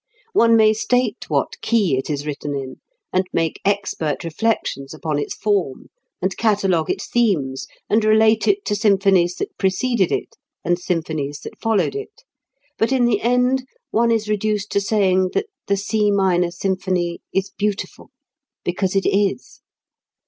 One may state what key it is written in, and make expert reflections upon its form, and catalogue its themes, and relate it to symphonies that preceded it and symphonies that followed it, but in the end one is reduced to saying that the C minor symphony is beautiful because it is.